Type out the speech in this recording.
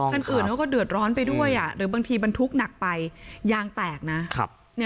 คันอื่นเขาก็เดือดร้อนไปด้วยหรือบางทีบรรทุกหนักไปยางแตกนะ